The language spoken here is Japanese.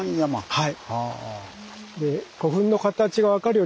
はい。